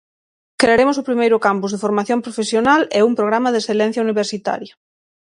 Crearemos o primeiro campus de formación profesional e un programa de excelencia universitaria.